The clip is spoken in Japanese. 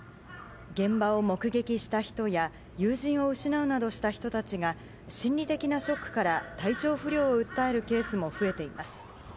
現場を目撃した人や、友人を失うなどした人たちが心理的なショックから体調不良を訴えるケースも増えています。